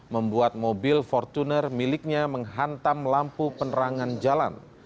membuat mobil fortuner miliknya menghantam lampu penerangan jalan